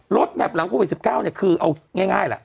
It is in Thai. แมพหลังโควิด๑๙เนี่ยคือเอาง่ายล่ะ